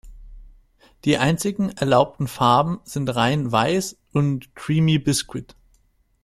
Die einzigen erlaubten Farben sind rein weiß und creamy-biscuit.